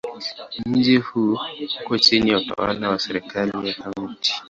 Mji huu uko chini ya utawala wa serikali ya Kaunti.